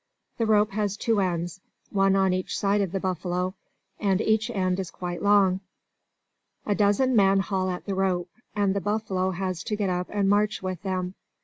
The rope has two ends, one on each side of the buffalo, and each end is quite long. A dozen men haul at the rope, and the buffalo has to get up and march with them.